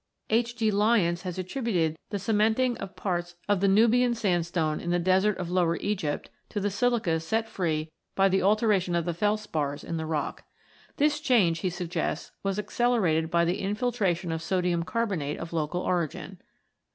H. G. Lyons (33) has attributed the cementing of parts of the Nubian 64 ROCKS AND THEIR ORIGINS [CH. Sandstone in the desert of Lower Egypt to the silica set free by the alteration of the felspars in the rock. This change, he suggests, was accelerated by the infiltration of sodium carbonate of local origin.